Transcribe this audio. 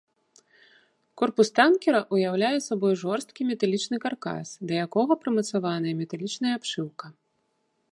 Корпус танкера ўяўляе сабой жорсткі металічны каркас, да якога прымацаваная металічная абшыўка.